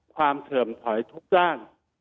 ความเถิมถอยทุกงาน